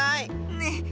ねえ。